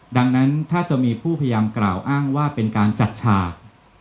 ดังนั้นถ้าจะมีผู้พยายามกล่าวอ้างว่าเป็นการจัดฉาก